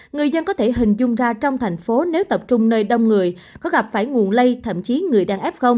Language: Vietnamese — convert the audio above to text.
người dân có thể hình dung ra trong thành phố nếu tập trung nơi đông người có gặp phải nguồn lây thậm chí người đang f